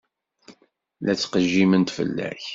La ttqejjiment fell-ak.